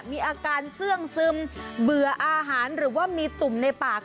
มีอาการเสื่องซึมเบื่ออาหารหรือว่ามีตุ่มในปาก